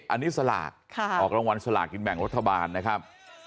อันนี้สลากออกรางวัลสลากกินแบ่งรัฐบาลนะครับ